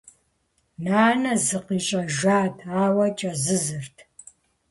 Нанэм зыкъищӀэжат, ауэ кӀэзызырт.